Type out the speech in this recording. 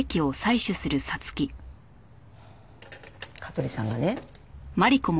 香取さんがね